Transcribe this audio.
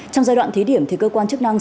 trong giai đoạn thí điểm thì cơ quan chức năng